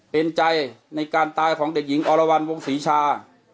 เป็นใจในการตายของเด็กหญิงอรวรรณวงศรีชา